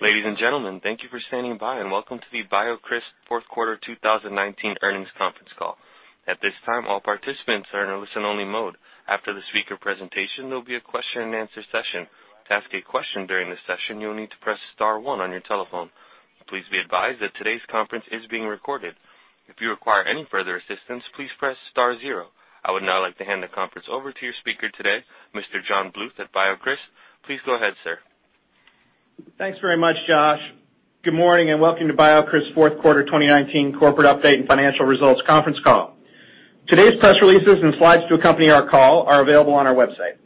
Ladies and gentlemen, thank you for standing by and welcome to the BioCryst's Fourth Quarter 2019 Earnings Conference Call. At this time, all participants are in a listen-only mode. After the speaker presentation, there'll be a question-and-answer session. To ask a question during the session, you will need to press star one on your telephone. Please be advised that today's conference is being recorded. If you require any further assistance, please press star zero. I would now like to hand the conference over to your speaker today, Mr. John Bluth at BioCryst. Please go ahead, sir. Thanks very much, Josh. Good morning and welcome to BioCryst's Fourth Quarter 2019 Corporate Update and Financial Results Conference Call. Today's press releases and slides to accompany our call are available on our website.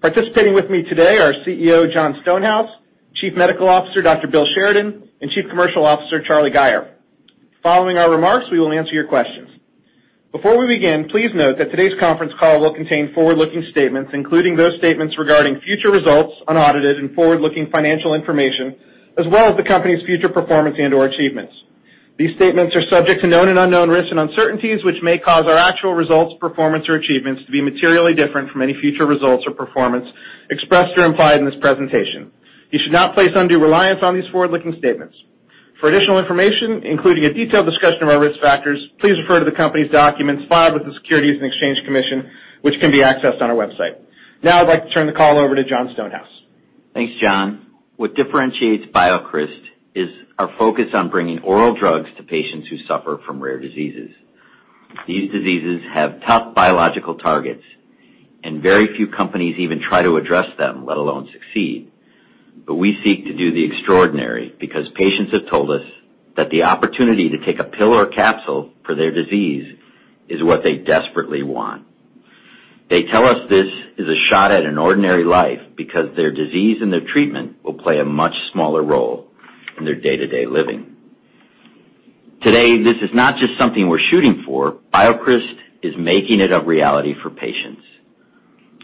Participating with me today are CEO, Jon Stonehouse, Chief Medical Officer, Dr. Bill Sheridan, and Chief Commercial Officer, Charlie Gayer. Following our remarks, we will answer your questions. Before we begin, please note that today's conference call will contain forward-looking statements, including those statements regarding future results, unaudited and forward-looking financial information, as well as the company's future performance and/or achievements. These statements are subject to known and unknown risks and uncertainties, which may cause our actual results, performance, or achievements to be materially different from any future results or performance expressed or implied in this presentation. You should not place undue reliance on these forward-looking statements. For additional information, including a detailed discussion of our risk factors, please refer to the company's documents filed with the Securities and Exchange Commission, which can be accessed on our website. I'd like to turn the call over to Jon Stonehouse. Thanks, John. What differentiates BioCryst is our focus on bringing oral drugs to patients who suffer from rare diseases. These diseases have tough biological targets, and very few companies even try to address them, let alone succeed. But we seek to do the extraordinary because patients have told us that the opportunity to take a pill or a capsule for their disease is what they desperately want. They tell us this is a shot at an ordinary life because their disease and their treatment will play a much smaller role in their day-to-day living. Today, this is not just something we're shooting for, BioCryst is making it a reality for patients.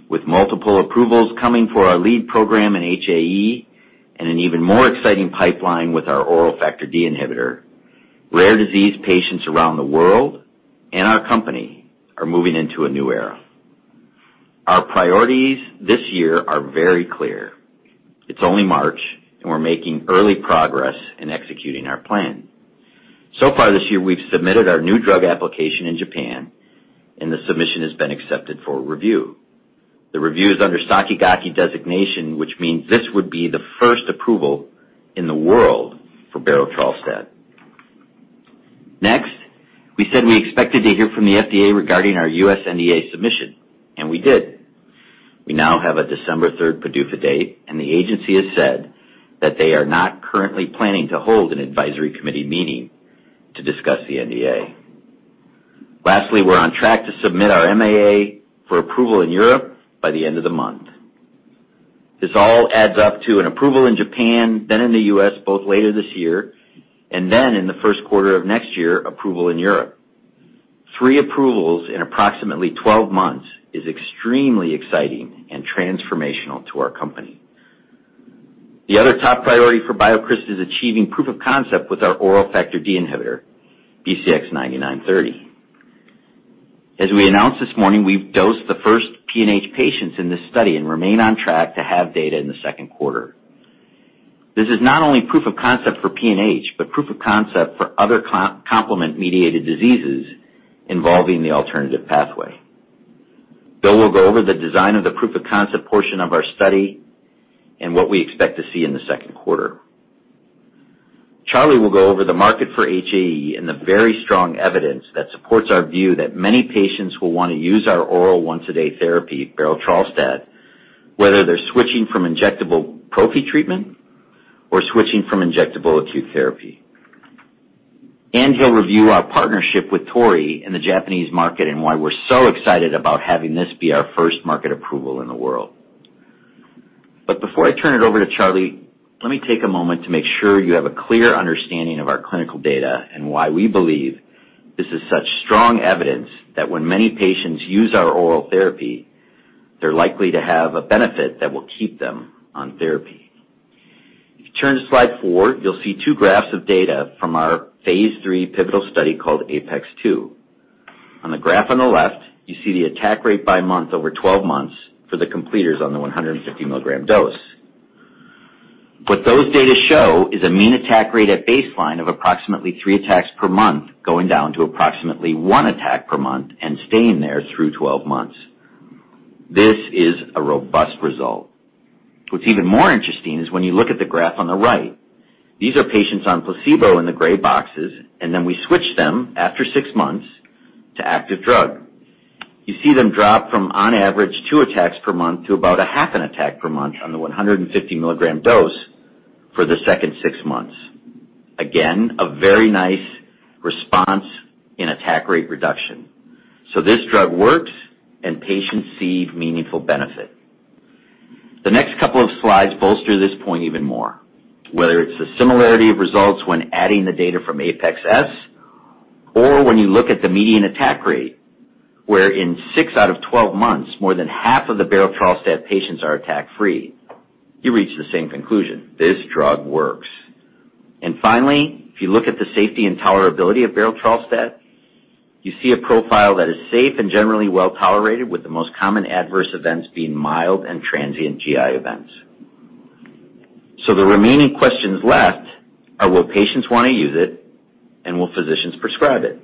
With multiple approvals coming for our lead program in HAE and an even more exciting pipeline with our oral Factor D inhibitor, rare disease patients around the world and our company are moving into a new era. Our priorities this year are very clear. It's only March. We're making early progress in executing our plan. Far this year, we've submitted our new drug application in Japan. The submission has been accepted for review. The review is under Sakigake designation, which means this would be the first approval in the world for berotralstat. Next, we said we expected to hear from the FDA regarding our U.S. NDA submission. We did. We now have a December third PDUFA date. The agency has said that they are not currently planning to hold an advisory committee meeting to discuss the NDA. Lastly, we're on track to submit our MAA for approval in Europe by the end of the month. This all adds up to an approval in Japan, then in the U.S., both later this year. Then in the first quarter of next year, approval in Europe. Three approvals in approximately 12 months is extremely exciting and transformational to our company. The other top priority for BioCryst is achieving proof of concept with our oral Factor D inhibitor, BCX9930. As we announced this morning, we've dosed the first PNH patients in this study and remain on track to have data in the second quarter. This is not only proof of concept for PNH, but proof of concept for other complement-mediated diseases involving the alternative pathway. Bill will go over the design of the proof of concept portion of our study and what we expect to see in the second quarter. Charlie will go over the market for HAE and the very strong evidence that supports our view that many patients will want to use our oral once-a-day therapy, berotralstat, whether they're switching from injectable prophy treatment or switching from injectable acute therapy. He'll review our partnership with Torii in the Japanese market and why we're so excited about having this be our first market approval in the world. Before I turn it over to Charlie, let me take a moment to make sure you have a clear understanding of our clinical data and why we believe this is such strong evidence that when many patients use our oral therapy, they're likely to have a benefit that will keep them on therapy. If you turn to slide four, you'll see two graphs of data from our phase III pivotal study called APeX-2. On the graph on the left, you see the attack rate by month over 12 months for the completers on the 150 mg dose. What those data show is a mean attack rate at baseline of approximately three attacks per month, going down to approximately one attack per month and staying there through 12 months. This is a robust result. What's even more interesting is when you look at the graph on the right. These are patients on placebo in the gray boxes, and then we switch them after six months to active drug. You see them drop from on average two attacks per month to about a half an attack per month on the 150 mg dose for the second six months. Again, a very nice response in attack rate reduction. This drug works and patients see meaningful benefit. The next couple of slides bolster this point even more. Whether it's the similarity of results when adding the data from APeX-S or when you look at the median attack rate, where in six out of 12 months, more than half of the berotralstat patients are attack-free, you reach the same conclusion. This drug works. Finally, if you look at the safety and tolerability of berotralstat. You see a profile that is safe and generally well-tolerated, with the most common adverse events being mild and transient GI events. The remaining questions left are: will patients want to use it, and will physicians prescribe it?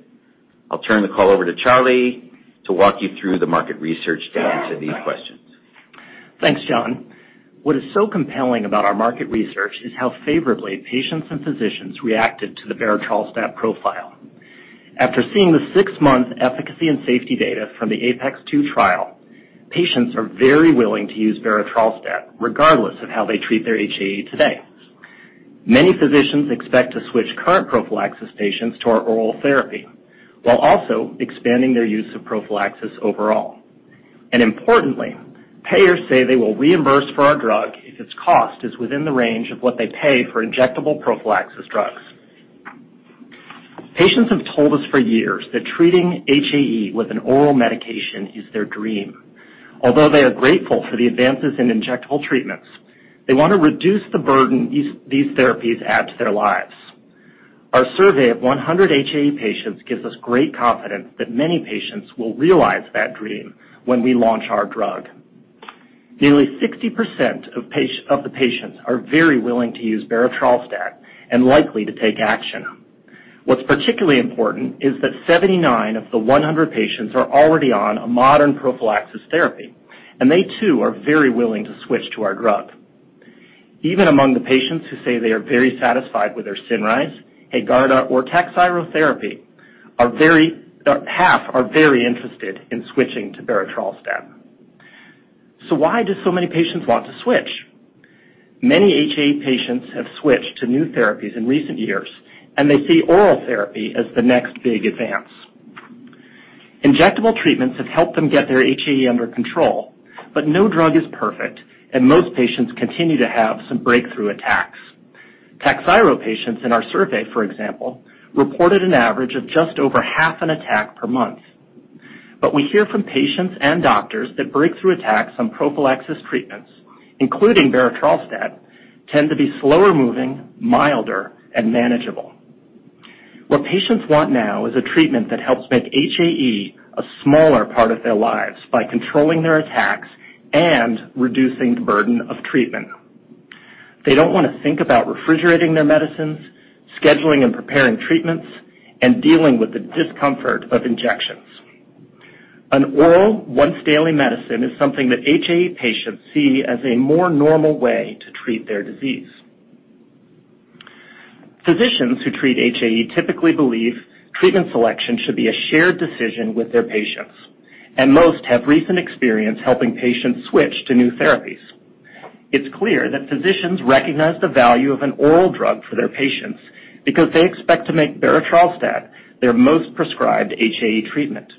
I'll turn the call over to Charlie to walk you through the market research to answer these questions. Thanks, Jon. What is so compelling about our market research is how favorably patients and physicians reacted to the berotralstat profile. After seeing the six-month efficacy and safety data from the APeX-2 trial, patients are very willing to use berotralstat, regardless of how they treat their HAE today. Many physicians expect to switch current prophylaxis patients to our oral therapy, while also expanding their use of prophylaxis overall. Importantly, payers say they will reimburse for our drug if its cost is within the range of what they pay for injectable prophylaxis drugs. Patients have told us for years that treating HAE with an oral medication is their dream. Although they are grateful for the advances in injectable treatments, they want to reduce the burden these therapies add to their lives. Our survey of 100 HAE patients gives us great confidence that many patients will realize that dream when we launch our drug. Nearly 60% of the patients are very willing to use berotralstat and likely to take action. What's particularly important is that 79 of the 100 patients are already on a modern prophylaxis therapy, and they too are very willing to switch to our drug. Even among the patients who say they are very satisfied with their Cinryze, HAEGARDA, or TAKHZYRO therapy, half are very interested in switching to berotralstat. Why do so many patients want to switch? Many HAE patients have switched to new therapies in recent years, and they see oral therapy as the next big advance. Injectable treatments have helped them get their HAE under control, but no drug is perfect, and most patients continue to have some breakthrough attacks. TAKHZYRO patients in our survey, for example, reported an average of just over half an attack per month. We hear from patients and doctors that breakthrough attacks on prophylaxis treatments, including berotralstat, tend to be slower-moving, milder, and manageable. What patients want now is a treatment that helps make HAE a smaller part of their lives by controlling their attacks and reducing the burden of treatment. They don't want to think about refrigerating their medicines, scheduling and preparing treatments, and dealing with the discomfort of injections. An oral once-daily medicine is something that HAE patients see as a more normal way to treat their disease. Physicians who treat HAE typically believe treatment selection should be a shared decision with their patients, and most have recent experience helping patients switch to new therapies. It's clear that physicians recognize the value of an oral drug for their patients because they expect to make berotralstat their most prescribed HAE treatment.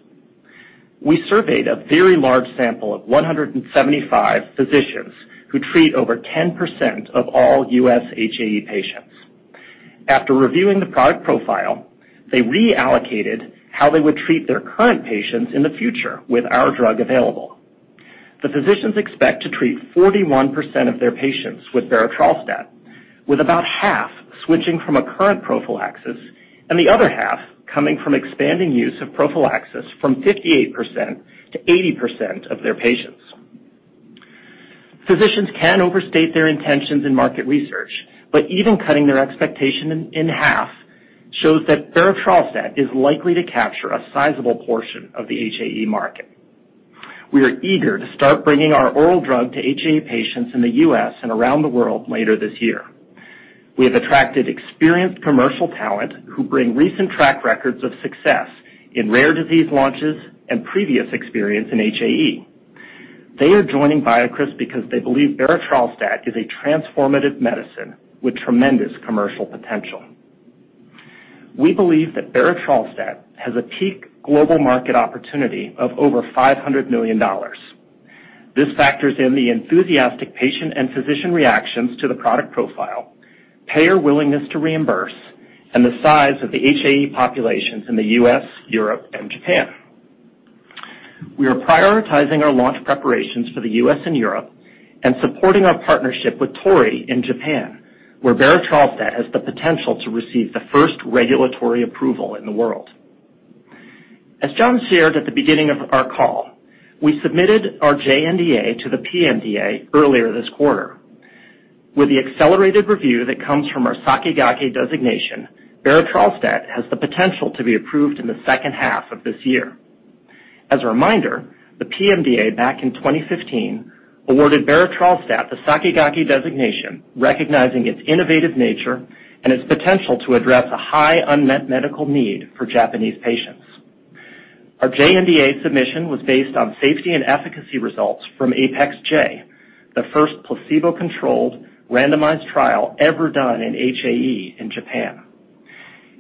We surveyed a very large sample of 175 physicians who treat over 10% of all U.S. HAE patients. After reviewing the product profile, they reallocated how they would treat their current patients in the future with our drug available. The physicians expect to treat 41% of their patients with berotralstat, with about half switching from a current prophylaxis, and the other half coming from expanding use of prophylaxis from 58% to 80% of their patients. Physicians can overstate their intentions in market research, but even cutting their expectation in half shows that berotralstat is likely to capture a sizable portion of the HAE market. We are eager to start bringing our oral drug to HAE patients in the U.S. and around the world later this year. We have attracted experienced commercial talent who bring recent track records of success in rare disease launches and previous experience in HAE. They are joining BioCryst because they believe berotralstat is a transformative medicine with tremendous commercial potential. We believe that berotralstat has a peak global market opportunity of over $500 million. This factors in the enthusiastic patient and physician reactions to the product profile, payer willingness to reimburse, and the size of the HAE populations in the U.S., Europe, and Japan. We are prioritizing our launch preparations for the U.S. and Europe and supporting our partnership with Torii in Japan, where berotralstat has the potential to receive the first regulatory approval in the world. As Jon shared at the beginning of our call, we submitted our JNDA to the PMDA earlier this quarter. With the accelerated review that comes from our Sakigake designation, berotralstat has the potential to be approved in the second half of this year. As a reminder, the PMDA, back in 2015, awarded berotralstat the Sakigake designation, recognizing its innovative nature and its potential to address a high unmet medical need for Japanese patients. Our JNDA submission was based on safety and efficacy results from APeX-J, the first placebo-controlled randomized trial ever done in HAE in Japan.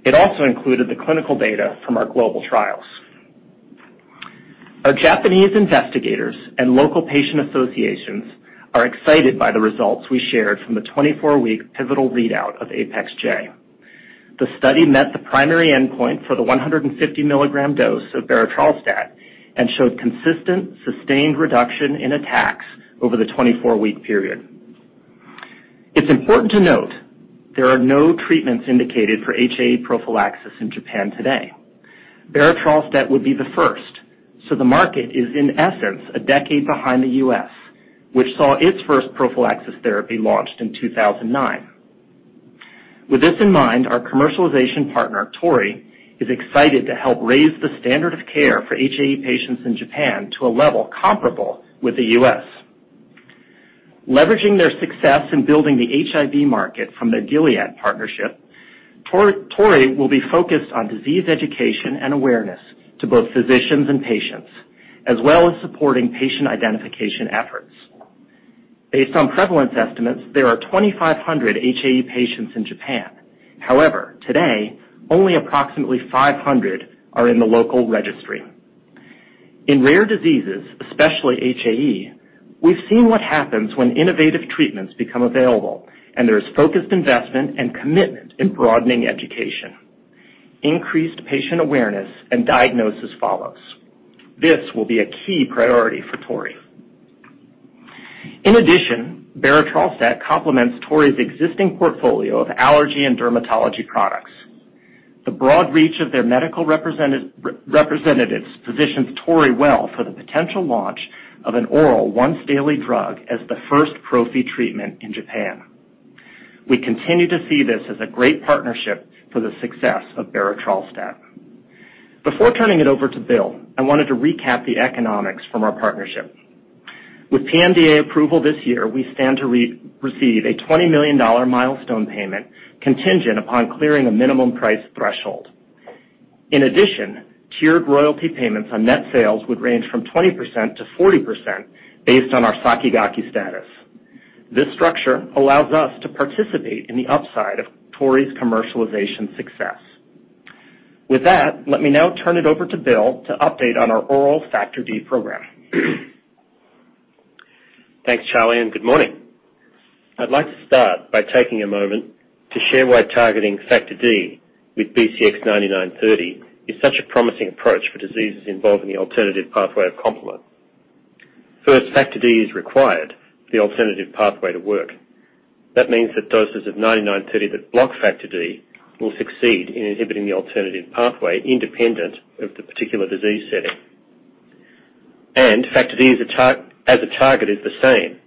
It also included the clinical data from our global trials. Our Japanese investigators and local patient associations are excited by the results we shared from the 24-week pivotal readout of APeX-J. The study met the primary endpoint for the 150 mg dose of berotralstat and showed consistent, sustained reduction in attacks over the 24-week period. It's important to note there are no treatments indicated for HAE prophylaxis in Japan today. Berotralstat would be the first, the market is, in essence, a decade behind the U.S., which saw its first prophylaxis therapy launched in 2009. With this in mind, our commercialization partner, Torii, is excited to help raise the standard of care for HAE patients in Japan to a level comparable with the U.S. Leveraging their success in building the HIV market from their Gilead partnership, Torii will be focused on disease education and awareness to both physicians and patients, as well as supporting patient identification efforts. Based on prevalence estimates, there are 2,500 HAE patients in Japan. However, today, only approximately 500 are in the local registry. In rare diseases, especially HAE, we've seen what happens when innovative treatments become available, there is focused investment and commitment in broadening education. Increased patient awareness and diagnosis follows. This will be a key priority for Torii. In addition, berotralstat complements Torii's existing portfolio of allergy and dermatology products. The broad reach of their medical representatives positions Torii well for the potential launch of an oral once-daily drug as the first prophy treatment in Japan. We continue to see this as a great partnership for the success of berotralstat. Before turning it over to Bill, I wanted to recap the economics from our partnership. With PMDA approval this year, we stand to receive a $20 million milestone payment contingent upon clearing a minimum price threshold. In addition, tiered royalty payments on net sales would range from 20% to 40% based on our Sakigake status. This structure allows us to participate in the upside of Torii's commercialization success. With that, let me now turn it over to Bill to update on our oral Factor D program. Thanks, Charlie, and good morning. I'd like to start by taking a moment to share why targeting Factor D with BCX9930 is such a promising approach for diseases involving the alternative pathway of complement. First, Factor D is required for the alternative pathway to work. That means that doses of BCX9930 that block Factor D will succeed in inhibiting the alternative pathway independent of the particular disease setting. Factor D as a target is the same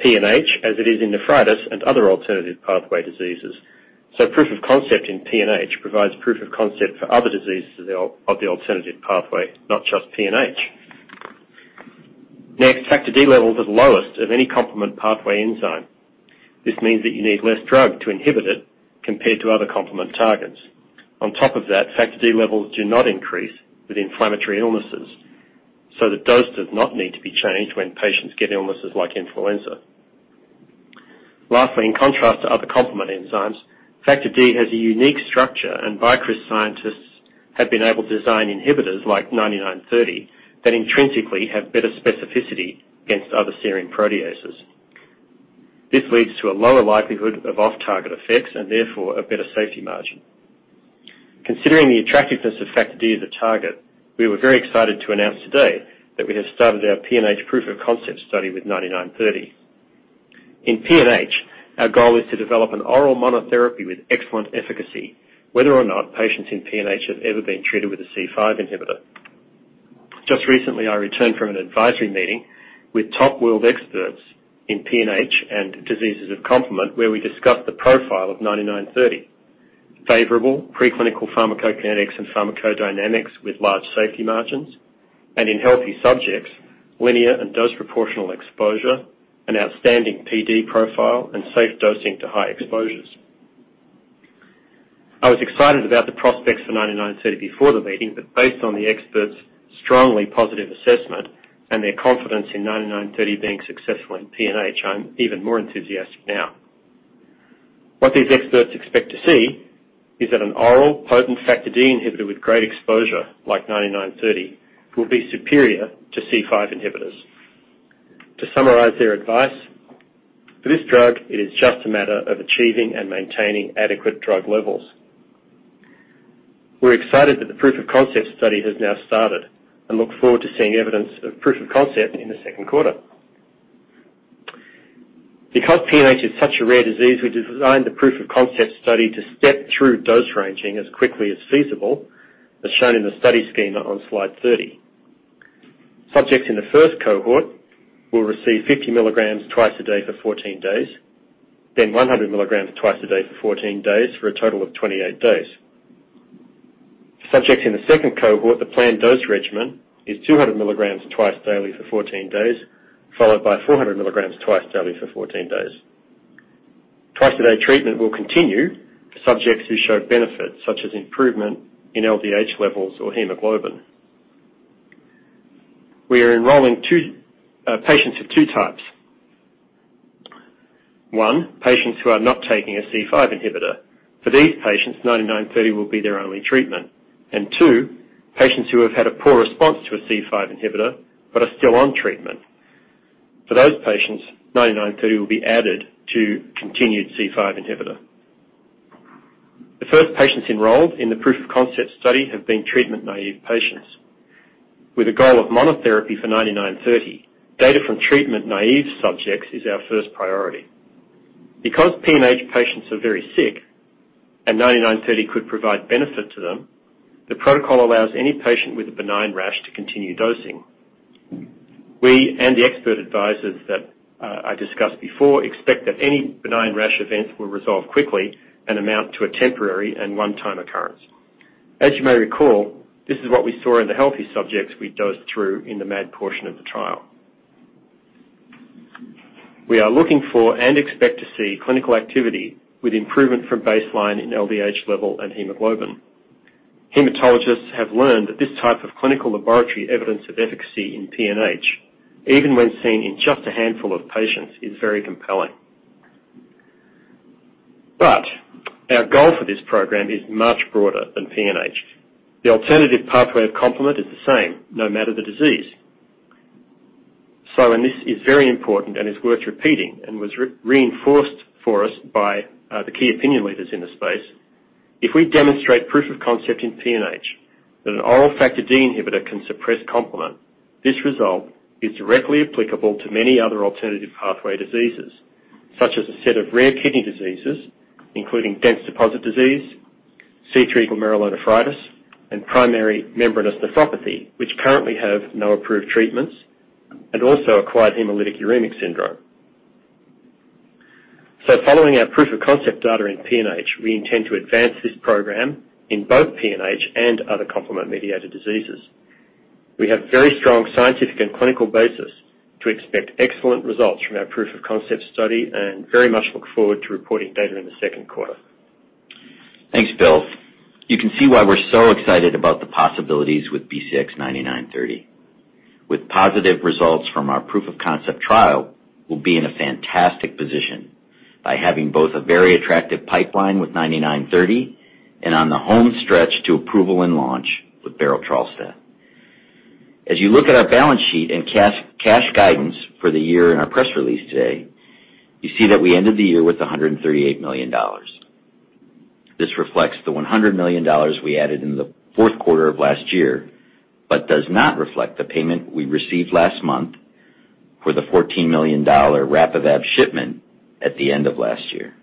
in PNH as it is in nephritis and other alternative pathway diseases. Proof of concept in PNH provides proof of concept for other diseases of the alternative pathway, not just PNH. Next, Factor D level is the lowest of any complement pathway enzyme. This means that you need less drug to inhibit it compared to other complement targets. On top of that, Factor D levels do not increase with inflammatory illnesses, so the dose does not need to be changed when patients get illnesses like influenza. Lastly, in contrast to other complement enzymes, Factor D has a unique structure, and BioCryst scientists have been able to design inhibitors like BCX9930 that intrinsically have better specificity against other serine proteases. This leads to a lower likelihood of off-target effects and therefore a better safety margin. Considering the attractiveness of Factor D as a target, we were very excited to announce today that we have started our PNH proof-of-concept study with BCX9930. In PNH, our goal is to develop an oral monotherapy with excellent efficacy, whether or not patients in PNH have ever been treated with a C5 inhibitor. Just recently, I returned from an advisory meeting with top world experts in PNH and diseases of complement, where we discussed the profile of BCX9930. Favorable preclinical pharmacokinetics and pharmacodynamics with large safety margins, and in healthy subjects, linear and dose-proportional exposure, an outstanding PD profile, and safe dosing to high exposures. I was excited about the prospects for BCX9930 before the meeting, but based on the experts' strongly positive assessment and their confidence in BCX9930 being successful in PNH, I'm even more enthusiastic now. What these experts expect to see is that an oral potent Factor D inhibitor with great exposure, like BCX9930, will be superior to C5 inhibitors. To summarize their advice, for this drug, it is just a matter of achieving and maintaining adequate drug levels. We're excited that the proof-of-concept study has now started and look forward to seeing evidence of proof of concept in the second quarter. Because PNH is such a rare disease, we designed the proof-of-concept study to step through dose ranging as quickly as feasible, as shown in the study schema on slide 30. Subjects in the first cohort will receive 50 mg twice a day for 14 days, then 100 mg twice a day for 14 days, for a total of 28 days. Subjects in the second cohort, the planned dose regimen is 200 mg twice daily for 14 days, followed by 400 mg twice daily for 14 days. Twice-a-day treatment will continue for subjects who show benefit, such as improvement in LDH levels or hemoglobin. We are enrolling patients of two types. One, patients who are not taking a C5 inhibitor. For these patients, BCX9930 will be their only treatment. Two, patients who have had a poor response to a C5 inhibitor but are still on treatment. For those patients, BCX9930 will be added to continued C5 inhibitor. The first patients enrolled in the proof of concept study have been treatment-naive patients. With a goal of monotherapy for BCX9930, data from treatment-naive subjects is our first priority. Because PNH patients are very sick, and BCX9930 could provide benefit to them, the protocol allows any patient with a benign rash to continue dosing. We, and the expert advisors that I discussed before, expect that any benign rash events will resolve quickly and amount to a temporary and one-time occurrence. As you may recall, this is what we saw in the healthy subjects we dosed through in the MAD portion of the trial. We are looking for, and expect to see, clinical activity with improvement from baseline in LDH level and hemoglobin. Hematologists have learned that this type of clinical laboratory evidence of efficacy in PNH, even when seen in just a handful of patients, is very compelling. Our goal for this program is much broader than PNH. The alternative pathway of complement is the same, no matter the disease. This is very important and is worth repeating, and was reinforced for us by the key opinion leaders in the space, if we demonstrate proof of concept in PNH, that an oral Factor D inhibitor can suppress complement. This result is directly applicable to many other alternative pathway diseases, such as a set of rare kidney diseases, including dense deposit disease, C3 glomerulonephritis, and primary membranous nephropathy, which currently have no approved treatments, and also acquired hemolytic uremic syndrome. Following our proof of concept data in PNH, we intend to advance this program in both PNH and other complement-mediated diseases. We have very strong scientific and clinical basis to expect excellent results from our proof of concept study and very much look forward to reporting data in the second quarter. Thanks, Bill. You can see why we're so excited about the possibilities with BCX9930. With positive results from our proof of concept trial, we'll be in a fantastic position by having both a very attractive pipeline with BCX9930, and on the home stretch to approval and launch with berotralstat. You look at our balance sheet and cash guidance for the year in our press release today, you see that we ended the year with $138 million. This reflects the $100 million we added in the fourth quarter of last year, does not reflect the payment we received last month for the $14 million RAPIVAB shipment at the end of last year.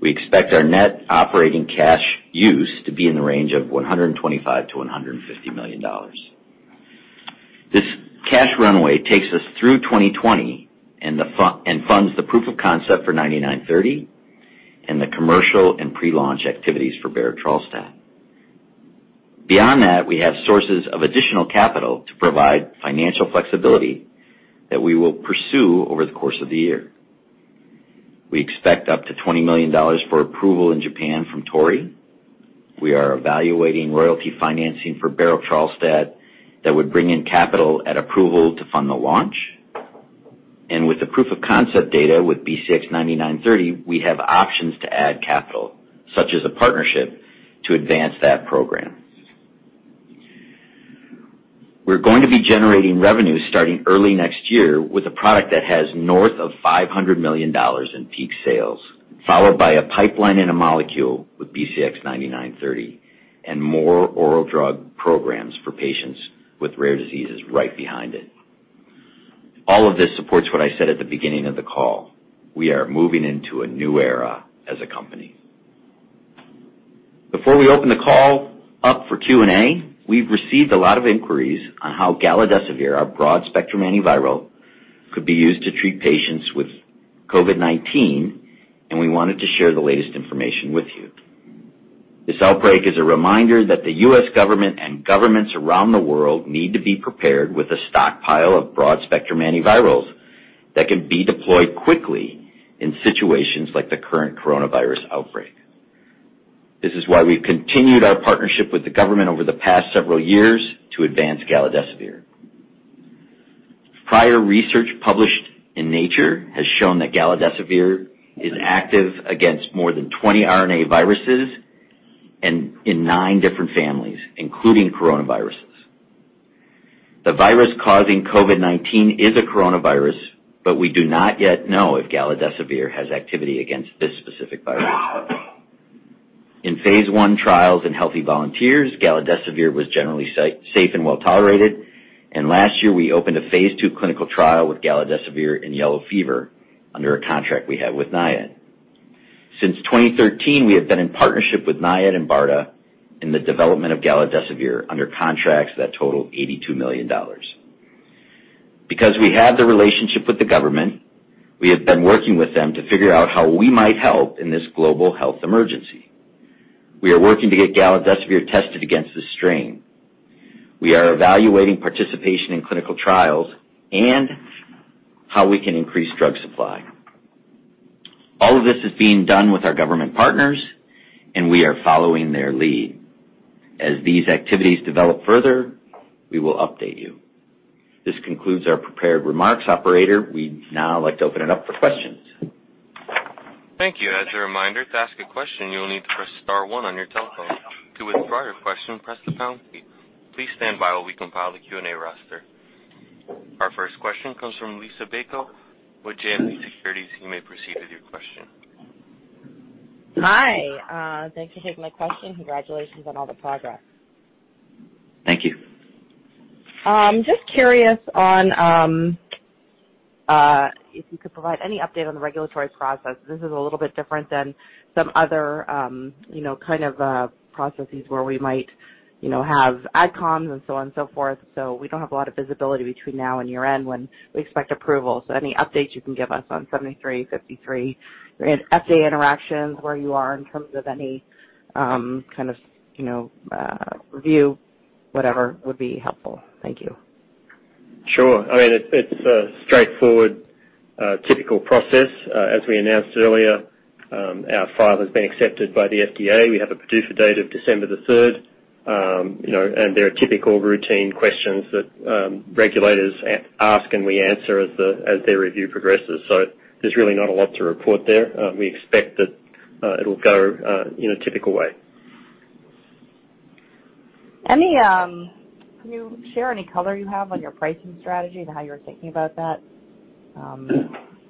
We expect our net operating cash use to be in the range of $125 million-$150 million. This cash runway takes us through 2020 and funds the proof of concept for BCX9930 and the commercial and pre-launch activities for berotralstat. We have sources of additional capital to provide financial flexibility that we will pursue over the course of the year. We expect up to $20 million for approval in Japan from Torii. We are evaluating royalty financing for berotralstat that would bring in capital at approval to fund the launch. With the proof of concept data with BCX9930, we have options to add capital, such as a partnership, to advance that program. We're going to be generating revenue starting early next year with a product that has north of $500 million in peak sales, followed by a pipeline and a molecule with BCX9930 and more oral drug programs for patients with rare diseases right behind it. All of this supports what I said at the beginning of the call. We are moving into a new era as a company. Before we open the call up for Q&A, we've received a lot of inquiries on how galidesivir, our broad-spectrum antiviral, could be used to treat patients with COVID-19, and we wanted to share the latest information with you. This outbreak is a reminder that the U.S. government and governments around the world need to be prepared with a stockpile of broad-spectrum antivirals that can be deployed quickly in situations like the current coronavirus outbreak. This is why we've continued our partnership with the government over the past several years to advance galidesivir. Prior research published in "Nature" has shown that galidesivir is active against more than 20 RNA viruses and in nine different families, including coronaviruses. The virus causing COVID-19 is a coronavirus, but we do not yet know if galidesivir has activity against this specific virus. In phase I trials in healthy volunteers, galidesivir was generally safe and well-tolerated, and last year, we opened a phase II clinical trial with galidesivir in yellow fever under a contract we had with NIAID. Since 2013, we have been in partnership with NIAID and BARDA in the development of galidesivir under contracts that total $82 million. Because we have the relationship with the government, we have been working with them to figure out how we might help in this global health emergency. We are working to get galidesivir tested against this strain. We are evaluating participation in clinical trials and how we can increase drug supply. All of this is being done with our government partners, and we are following their lead. As these activities develop further, we will update you. This concludes our prepared remarks. Operator, we'd now like to open it up for questions. Thank you. As a reminder, to ask a question, you will need to press star one on your telephone. To withdraw your question, press the pound key. Please stand by while we compile the Q&A roster. Our First question comes from Liisa Bayko with JMP Securities. You may proceed with your question. Hi. Thanks for taking my question. Congratulations on all the progress. Thank you. Just curious if you could provide any update on the regulatory process. This is a little bit different than some other processes where we might have AdComs and so on and so forth, so we don't have a lot of visibility between now and year-end when we expect approval. Any updates you can give us on BCX7353, FDA interactions, where you are in terms of any kind of review, whatever, would be helpful. Thank you. Sure. It's a straightforward, typical process. As we announced earlier, our file has been accepted by the FDA. We have a PDUFA date of December the 3rd, and there are typical routine questions that regulators ask, and we answer as their review progresses. There's really not a lot to report there. We expect that it'll go in a typical way. Can you share any color you have on your pricing strategy and how you're thinking about that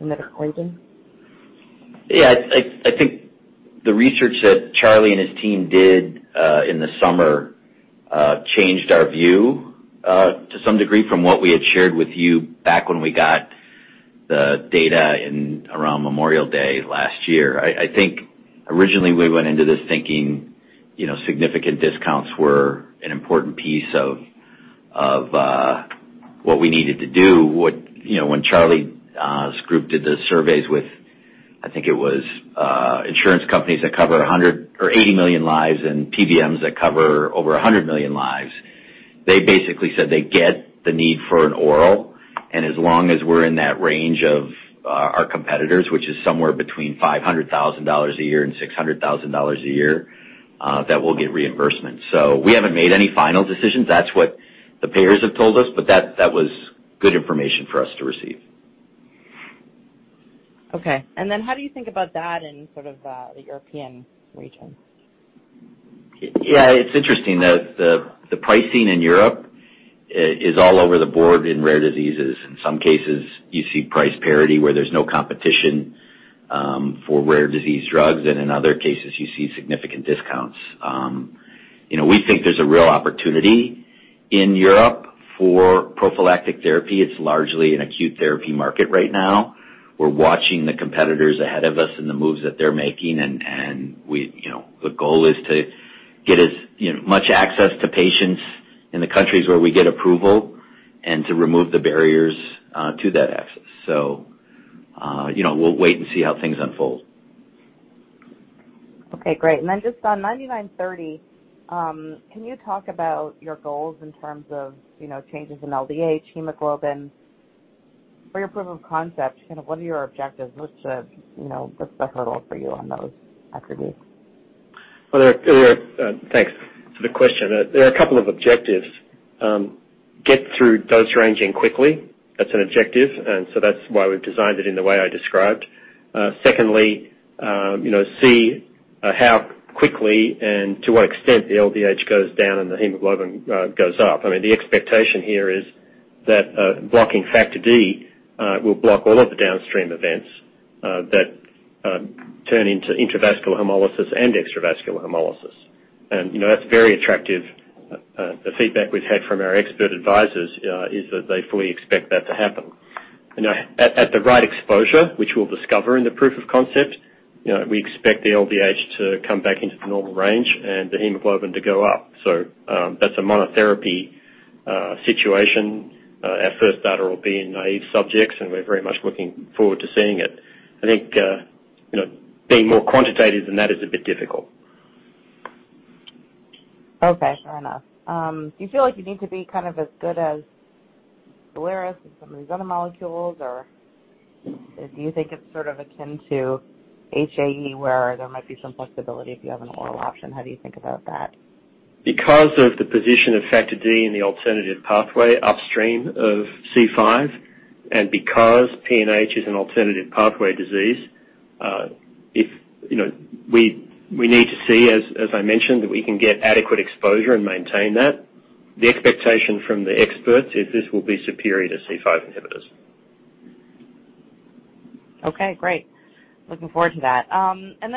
in the equation? Yeah. I think the research that Charlie and his team did in the summer changed our view to some degree from what we had shared with you back when we got the data around Memorial Day last year. I think originally we went into this thinking significant discounts were an important piece of what we needed to do. When Charlie's group did the surveys with, I think it was insurance companies that cover 100 or 80 million lives and PBMs that cover over 100 million lives, they basically said they get the need for an oral, and as long as we're in that range of our competitors, which is somewhere between $500,000 a year and $600,000 a year, that we'll get reimbursement. We haven't made any final decisions. That's what the payers have told us, but that was good information for us to receive. Okay. How do you think about that in sort of the European region? Yeah, it's interesting. The pricing in Europe is all over the board in rare diseases. In some cases, you see price parity where there's no competition for rare disease drugs, and in other cases you see significant discounts. We think there's a real opportunity in Europe for prophylactic therapy. It's largely an acute therapy market right now. We're watching the competitors ahead of us and the moves that they're making, and the goal is to get as much access to patients in the countries where we get approval and to remove the barriers to that access. We'll wait and see how things unfold. Okay, great. Just on BCX9930, can you talk about your goals in terms of changes in LDH, hemoglobin for your proof of concept, kind of what are your objectives? What's the hurdle for you on those attributes? Thanks for the question. There are a couple of objectives. Get through dose ranging quickly. That's an objective. That's why we've designed it in the way I described. Secondly, see how quickly and to what extent the LDH goes down and the hemoglobin goes up. The expectation here is that blocking Factor D will block all of the downstream events that turn into intravascular hemolysis and extravascular hemolysis. That's very attractive. The feedback we've had from our expert advisors is that they fully expect that to happen. At the right exposure, which we'll discover in the proof of concept, we expect the LDH to come back into the normal range and the hemoglobin to go up. That's a monotherapy situation. Our first data will be in naive subjects, and we're very much looking forward to seeing it. I think being more quantitative than that is a bit difficult. Okay, fair enough. Do you feel like you need to be kind of as good as Soliris and some of these other molecules, or do you think it's sort of akin to HAE where there might be some flexibility if you have an oral option? How do you think about that? Because of the position of Factor D in the alternative pathway upstream of C5, and because PNH is an alternative pathway disease, we need to see, as I mentioned, that we can get adequate exposure and maintain that. The expectation from the experts is this will be superior to C5 inhibitors. Okay, great. Looking forward to that.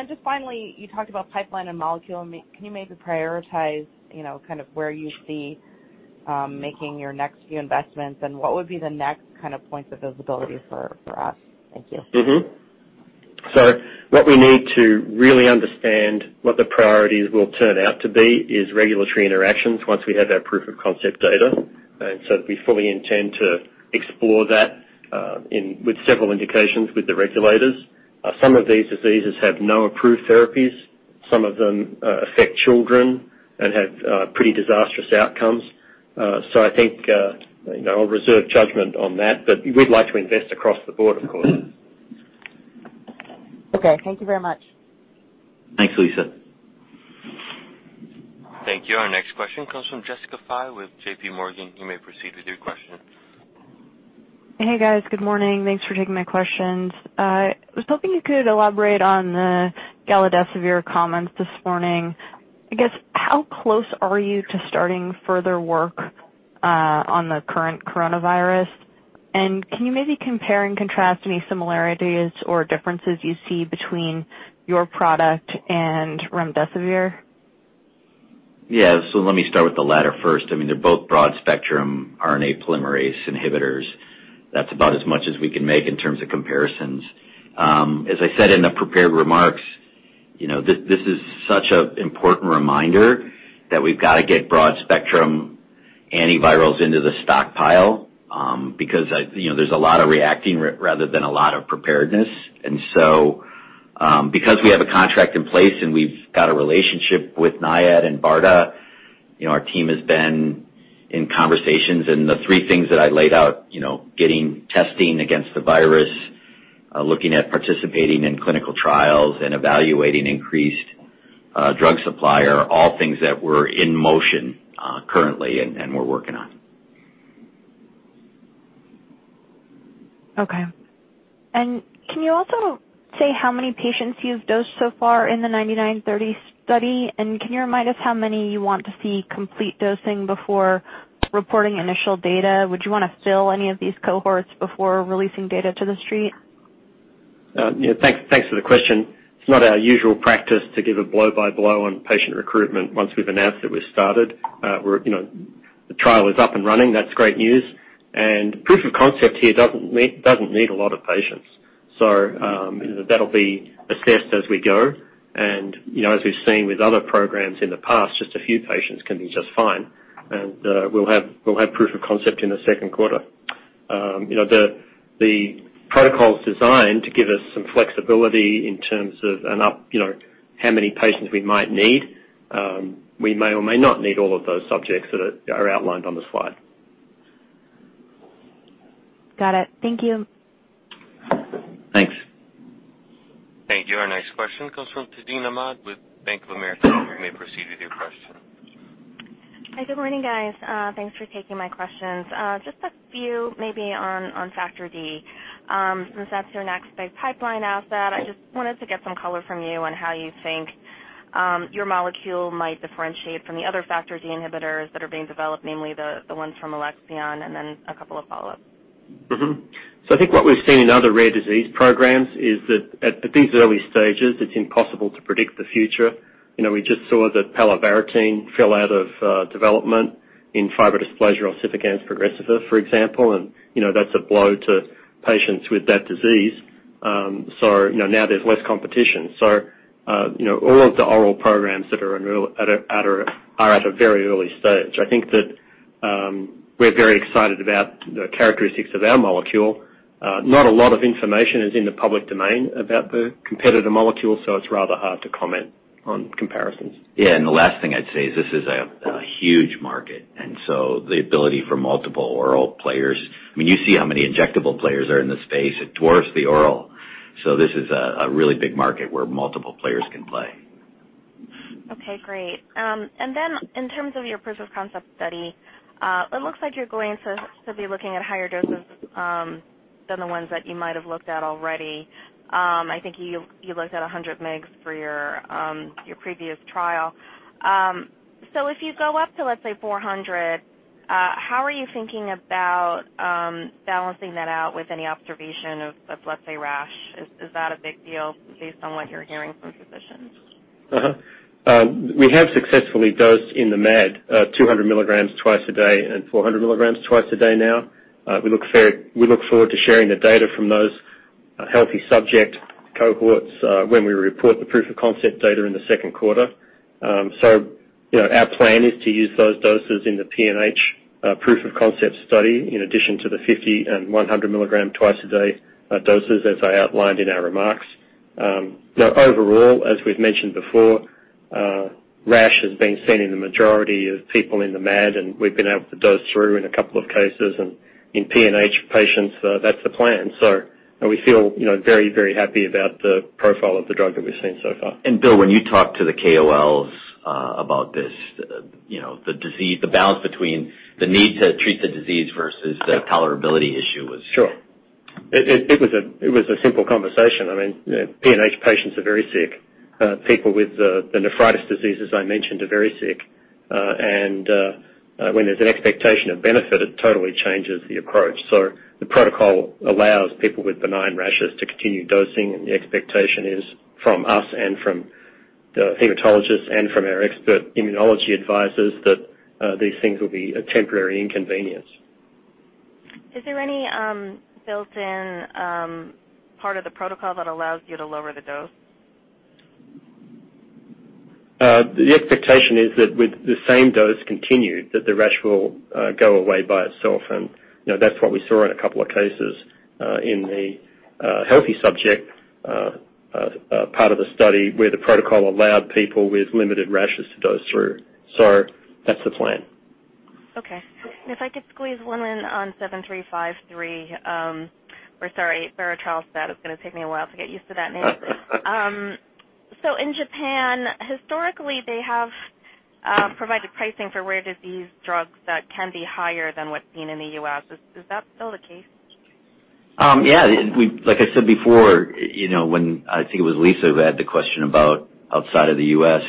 Just finally, you talked about pipeline and molecule. Can you maybe prioritize where you see making your next few investments, and what would be the next kind of points of visibility for us? Thank you. What we need to really understand what the priorities will turn out to be is regulatory interactions once we have our proof of concept data. We fully intend to explore that with several indications with the regulators. Some of these diseases have no approved therapies. Some of them affect children and have pretty disastrous outcomes. I think I'll reserve judgment on that, but we'd like to invest across the board, of course. Okay. Thank you very much. Thanks, Liisa. Thank you. Our next question comes from Jessica Fye with JPMorgan. You may proceed with your question. Hey, guys. Good morning. Thanks for taking my questions. I was hoping you could elaborate on the galidesivir comments this morning. I guess, how close are you to starting further work on the current coronavirus? Can you maybe compare and contrast any similarities or differences you see between your product and remdesivir? Let me start with the latter first. They're both broad-spectrum RNA polymerase inhibitors. That's about as much as we can make in terms of comparisons. As I said in the prepared remarks, this is such an important reminder that we've got to get broad-spectrum antivirals into the stockpile. There's a lot of reacting rather than a lot of preparedness. Because we have a contract in place and we've got a relationship with NIAID and BARDA, our team has been in conversations, and the three things that I laid out, getting testing against the virus, looking at participating in clinical trials, and evaluating increased drug supply are all things that we're in motion currently and we're working on. Okay. Can you also say how many patients you've dosed so far in the BCX9930 study? Can you remind us how many you want to see complete dosing before reporting initial data? Would you want to fill any of these cohorts before releasing data to the street? Yeah. Thanks for the question. It's not our usual practice to give a blow-by-blow on patient recruitment once we've announced that we've started. The trial is up and running. That's great news, and proof of concept here doesn't need a lot of patients. That'll be assessed as we go. As we've seen with other programs in the past, just a few patients can be just fine. We'll have proof of concept in the second quarter. The protocol's designed to give us some flexibility in terms of how many patients we might need. We may or may not need all of those subjects that are outlined on the slide. Got it. Thank you. Thanks. Thank you. Our next question comes from Tazeen Ahmad with Bank of America. You may proceed with your question. Hi, good morning, guys. Thanks for taking my questions. Just a few maybe on Factor D, since that's your next big pipeline asset. I just wanted to get some color from you on how you think your molecule might differentiate from the other Factor D inhibitors that are being developed, namely the ones from Alexion, and then a couple of follow-ups. Mm-hmm. I think what we've seen in other rare disease programs is that at these early stages, it's impossible to predict the future. We just saw that palovarotene fell out of development in fibrodysplasia ossificans progressiva, for example, and that's a blow to patients with that disease. Now there's less competition. All of the oral programs are at a very early stage. I think that we're very excited about the characteristics of our molecule. Not a lot of information is in the public domain about the competitor molecule, so it's rather hard to comment on comparisons. The last thing I'd say is this is a huge market. The ability for multiple oral players, you see how many injectable players are in the space. It dwarfs the oral. This is a really big market where multiple players can play. Okay, great. In terms of your proof of concept study, it looks like you're going to still be looking at higher doses than the ones that you might have looked at already. I think you looked at 100 mg for your previous trial. If you go up to, let's say, 400 mg, how are you thinking about balancing that out with any observation of, let's say, rash? Is that a big deal based on what you're hearing from physicians? Mm-hmm. We have successfully dosed in the MAD 200 mg twice a day and 400 mg twice a day now. We look forward to sharing the data from those healthy subject cohorts when we report the proof of concept data in the second quarter. Our plan is to use those doses in the PNH proof of concept study, in addition to the 50mg and 100 mg twice a day doses, as I outlined in our remarks. Overall, as we've mentioned before, rash has been seen in the majority of people in the MAD, and we've been able to dose through in a couple of cases, and in PNH patients, that's the plan. We feel very happy about the profile of the drug that we've seen so far. Bill, when you talk to the KOLs about this, the balance between the need to treat the disease versus the tolerability issue was. Sure. It was a simple conversation. PNH patients are very sick. People with the nephritis diseases I mentioned are very sick. When there's an expectation of benefit, it totally changes the approach. The protocol allows people with benign rashes to continue dosing, and the expectation is, from us and from the hematologists and from our expert immunology advisors, that these things will be a temporary inconvenience. Is there any built-in part of the protocol that allows you to lower the dose? The expectation is that with the same dose continued, that the rash will go away by itself. That's what we saw in a couple of cases in the healthy subject part of the study where the protocol allowed people with limited rashes to dose through. That's the plan. Okay. If I could squeeze one in on BCX7353, or sorry, berotralstat, it's going to take me a while to get used to that name. In Japan, historically, they have provided pricing for rare disease drugs that can be higher than what's seen in the U.S. Is that still the case? Yeah. Like I said before, when I think it was Liisa who had the question about outside of the U.S.,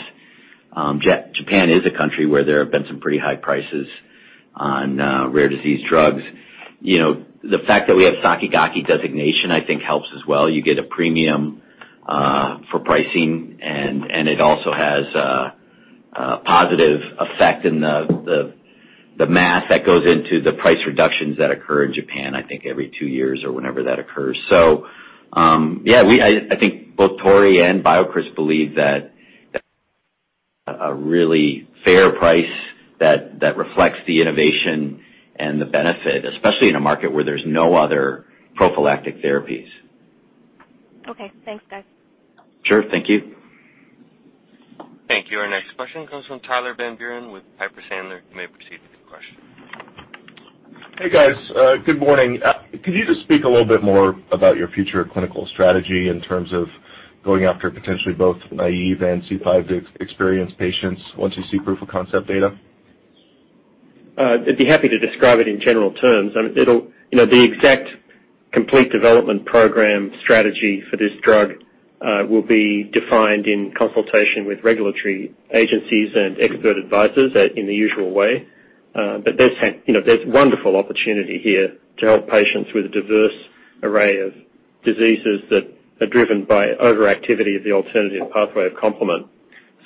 Japan is a country where there have been some pretty high prices on rare disease drugs. The fact that we have Sakigake designation, I think helps as well. You get a premium for pricing, and it also has a positive effect in the math that goes into the price reductions that occur in Japan, I think every two years or whenever that occurs. Yeah, I think both Torii and BioCryst believe that a really fair price that reflects the innovation and the benefit, especially in a market where there's no other prophylactic therapies. Okay. Thanks, guys. Sure. Thank you. Thank you. Our next question comes from Tyler Van Buren with Piper Sandler. You may proceed with your question. Hey, guys. Good morning. Could you just speak a little bit more about your future clinical strategy in terms of going after potentially both naive and C5-experienced patients once you see proof of concept data? I'd be happy to describe it in general terms. The exact complete development program strategy for this drug will be defined in consultation with regulatory agencies and expert advisors in the usual way. There's wonderful opportunity here to help patients with a diverse array of diseases that are driven by overactivity of the alternative pathway of complement.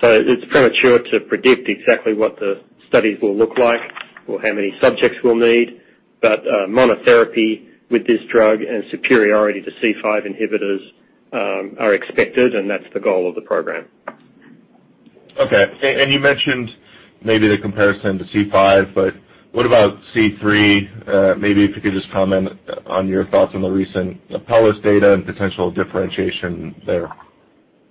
It's premature to predict exactly what the studies will look like or how many subjects we'll need. Monotherapy with this drug and superiority to C5 inhibitors are expected, and that's the goal of the program. Okay. You mentioned maybe the comparison to C5, but what about C3? Maybe if you could just comment on your thoughts on the recent Apellis data and potential differentiation there.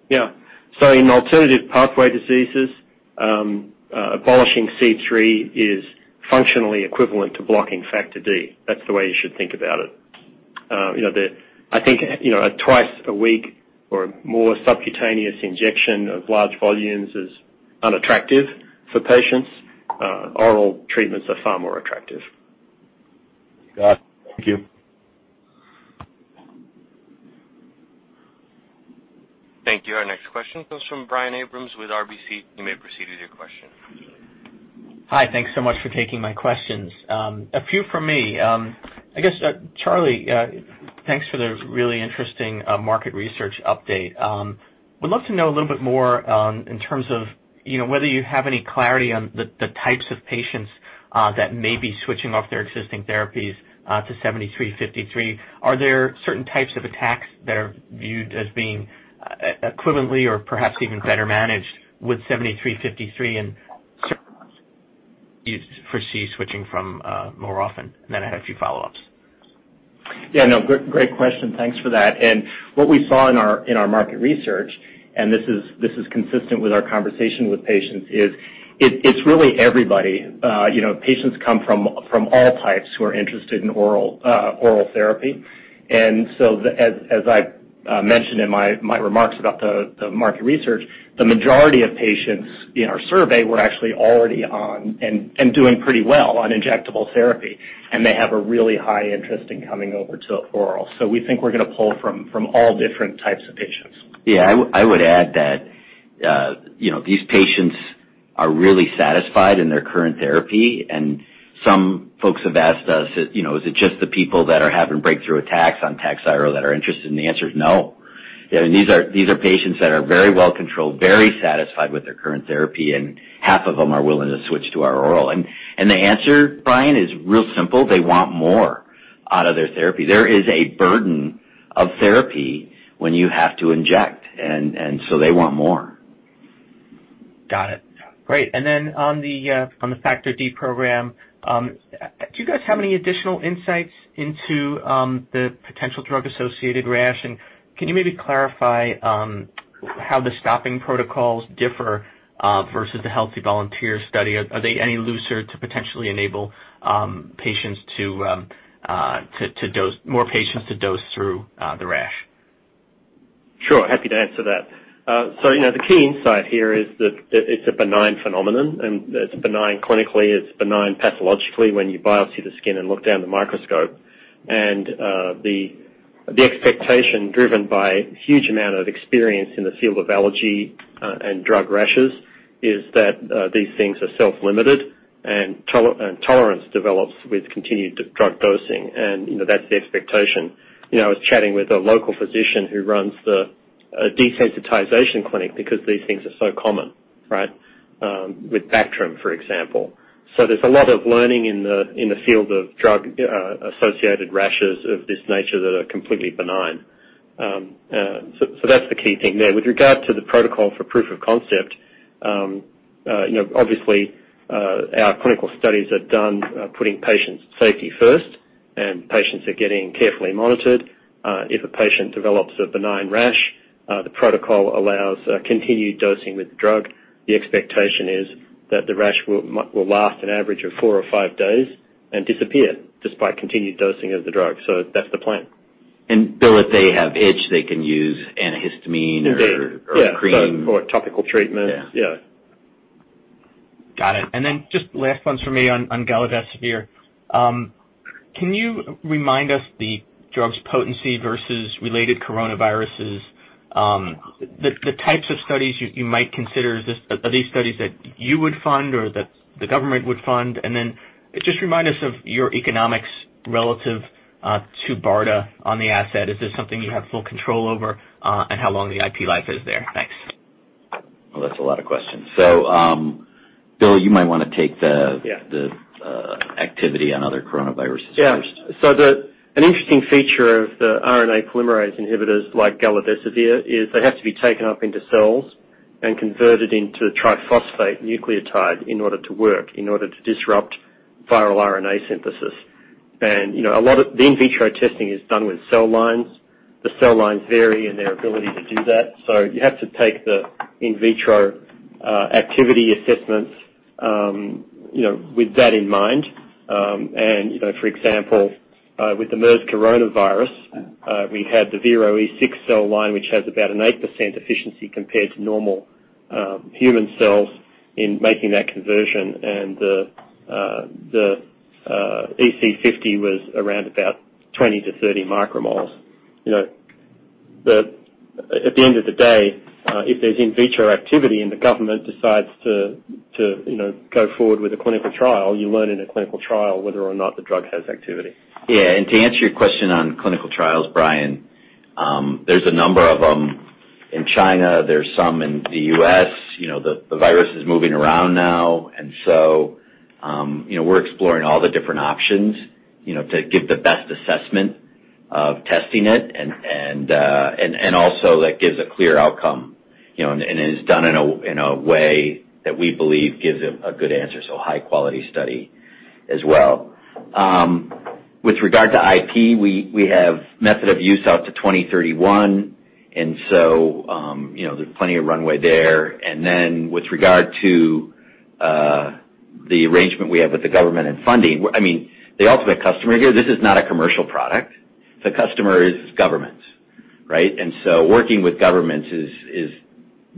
In alternative pathway diseases, abolishing C3 is functionally equivalent to blocking Factor D. That's the way you should think about it. I think twice a week or more subcutaneous injection of large volumes is unattractive for patients. Oral treatments are far more attractive. Got it. Thank you. Thank you. Our next question comes from Brian Abrahams with RBC. You may proceed with your question. Hi. Thanks so much for taking my questions. A few from me. I guess, Charlie, thanks for the really interesting market research update. Would love to know a little bit more in terms of whether you have any clarity on the types of patients that may be switching off their existing therapies to BCX7353. Are there certain types of attacks that are viewed as being equivalently or perhaps even better managed with BCX7353 and you foresee switching from more often? I have a few follow-ups. Yeah, no, great question. Thanks for that. What we saw in our market research, and this is consistent with our conversation with patients, is it's really everybody. Patients come from all types who are interested in oral therapy. As I mentioned in my remarks about the market research, the majority of patients in our survey were actually already on, and doing pretty well, on injectable therapy, and they have a really high interest in coming over to oral. We think we're going to pull from all different types of patients. Yeah, I would add that these patients are really satisfied in their current therapy, and some folks have asked us, "Is it just the people that are having breakthrough attacks on TAKHZYRO that are interested?" The answer is no. These are patients that are very well controlled, very satisfied with their current therapy, and half of them are willing to switch to our oral. The answer, Brian, is real simple. They want more out of their therapy. There is a burden of therapy when you have to inject, and so they want more. Got it. Great. On the Factor D program, do you guys have any additional insights into the potential drug-associated rash? Can you maybe clarify how the stopping protocols differ versus the healthy volunteer study? Are they any looser to potentially enable more patients to dose through the rash? Sure. Happy to answer that. The key insight here is that it's a benign phenomenon, and it's benign clinically. It's benign pathologically when you biopsy the skin and look down the microscope. The expectation driven by huge amount of experience in the field of allergy and drug rashes is that these things are self-limited, and tolerance develops with continued drug dosing. That's the expectation. I was chatting with a local physician who runs the desensitization clinic because these things are so common, with Bactrim, for example. There's a lot of learning in the field of drug-associated rashes of this nature that are completely benign. That's the key thing there. With regard to the protocol for proof of concept, obviously, our clinical studies are done putting patient safety first, and patients are getting carefully monitored. If a patient develops a benign rash, the protocol allows continued dosing with the drug. The expectation is that the rash will last an average of four or five days and disappear despite continued dosing of the drug. That's the plan. Bill, if they have itch, they can use antihistamine or cream. Indeed. Yeah. For topical treatment. Yeah. Got it. Just last ones for me on galidesivir. Can you remind us the drug's potency versus related coronaviruses, the types of studies you might consider? Are these studies that you would fund or that the government would fund? Just remind us of your economics relative to BARDA on the asset. Is this something you have full control over? How long the IP life is there. Thanks. Well, that's a lot of questions. Bill, you might want to take- Yeah. the activity on other coronaviruses first. Yeah. An interesting feature of the RNA polymerase inhibitors like galidesivir is they have to be taken up into cells and converted into triphosphate nucleotide in order to work, in order to disrupt viral RNA synthesis. The in vitro testing is done with cell lines. The cell lines vary in their ability to do that. You have to take the in vitro activity assessments with that in mind. For example, with the MERS coronavirus, we had the Vero E6 cell line which has about an 8% efficiency compared to normal human cells in making that conversion. The EC50 was around about 20-30 micromoles. At the end of the day, if there's in vitro activity and the government decides to go forward with a clinical trial, you learn in a clinical trial whether or not the drug has activity. Yeah. To answer your question on clinical trials, Brian, there's a number of them in China, there's some in the U.S. The virus is moving around now. We're exploring all the different options to give the best assessment of testing it and also that gives a clear outcome and is done in a way that we believe gives a good answer, so high quality study as well. With regard to IP, we have method of use out to 2031. There's plenty of runway there. With regard to the arrangement we have with the government and funding, the ultimate customer here, this is not a commercial product. The customer is governments, right? Working with governments has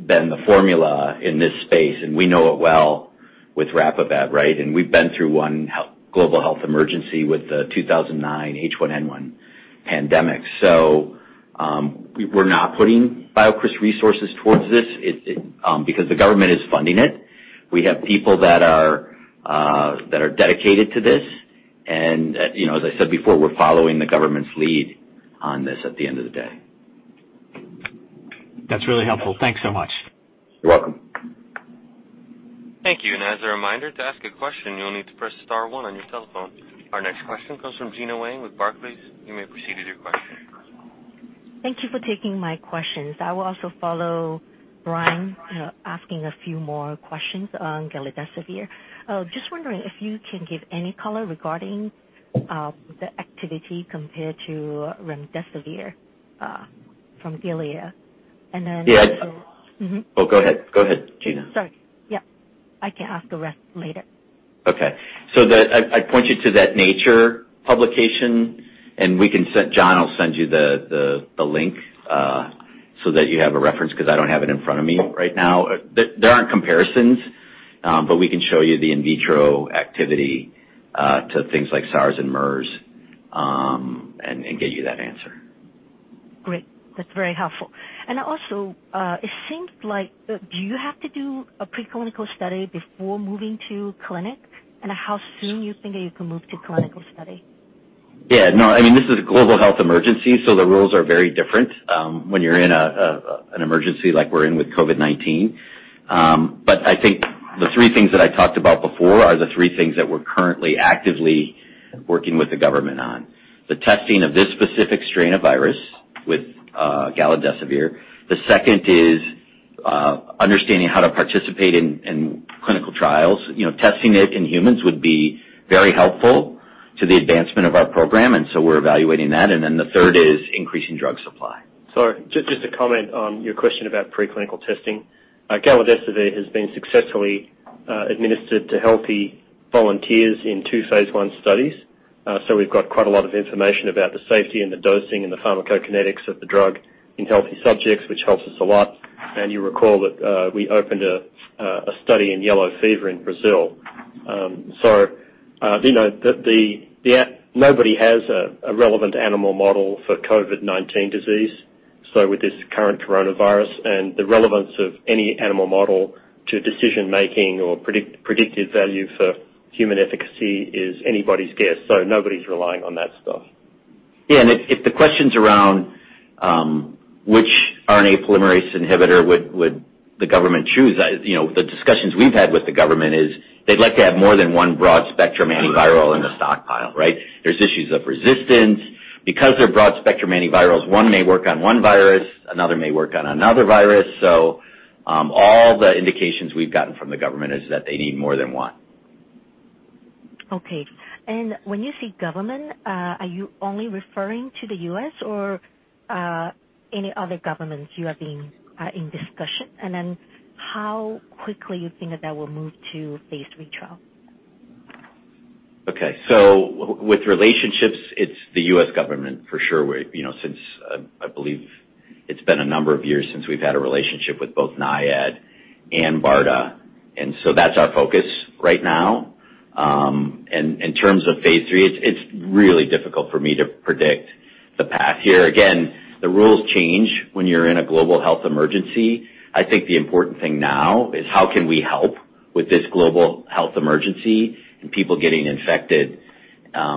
been the formula in this space, and we know it well with RAPIVAB, right? We've been through one global health emergency with the 2009 H1N1 pandemic. We're not putting BioCryst resources towards this because the government is funding it. We have people that are dedicated to this and as I said before, we're following the government's lead on this at the end of the day. That's really helpful. Thanks so much. You're welcome. Thank you. As a reminder, to ask a question, you'll need to press star one on your telephone. Our next question comes from Gena Wang with Barclays. You may proceed with your question. Thank you for taking my questions. I will also follow Brian, asking a few more questions on galidesivir. Just wondering if you can give any color regarding the activity compared to remdesivir from Gilead. Yes. Oh, go ahead. Go ahead, Gena. Sorry. Yeah, I can ask the rest later. Okay. I point you to that Nature publication. John will send you the link so that you have a reference because I don't have it in front of me right now. There aren't comparisons, we can show you the in vitro activity to things like SARS and MERS, and get you that answer. Great. That's very helpful. Also it seems like, do you have to do a preclinical study before moving to clinic? How soon you think that you can move to clinical study? Yeah, no, this is a global health emergency. The rules are very different when you're in an emergency like we're in with COVID-19. I think the three things that I talked about before are the three things that we're currently actively working with the government on. The testing of this specific strain of virus with galidesivir. The second is understanding how to participate in clinical trials. Testing it in humans would be very helpful to the advancement of our program. We're evaluating that. The third is increasing drug supply. Just to comment on your question about preclinical testing. Galidesivir has been successfully administered to healthy volunteers in two phase I studies. We've got quite a lot of information about the safety and the dosing and the pharmacokinetics of the drug in healthy subjects, which helps us a lot. You recall that we opened a study in yellow fever in Brazil. Nobody has a relevant animal model for COVID-19 disease. With this current coronavirus and the relevance of any animal model to decision making or predictive value for human efficacy is anybody's guess. Nobody's relying on that stuff. Yeah. If the question's around which RNA polymerase inhibitor would the government choose, the discussions we've had with the government is they'd like to have more than one broad-spectrum antiviral in the stockpile, right. There's issues of resistance. Because they're broad-spectrum antivirals, one may work on one virus, another may work on another virus. All the indications we've gotten from the government is that they need more than one. Okay. When you say government, are you only referring to the U.S. or any other governments you are in discussion? How quickly you think that that will move to phase III trial? Okay. With relationships, it's the U.S. government for sure. Since, I believe it's been a number of years since we've had a relationship with both NIAID and BARDA, and so that's our focus right now. In terms of phase III, it's really difficult for me to predict the path here. Again, the rules change when you're in a global health emergency. I think the important thing now is how can we help with this global health emergency and people getting infected.